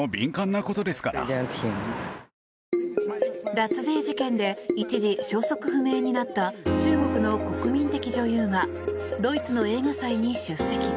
脱税事件で一時消息不明になった中国の国民的女優がドイツの映画祭に出席。